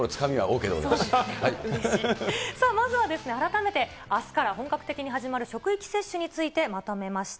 さあ、まずは改めて、あすから本格的に始まる職域接種についてまとめました。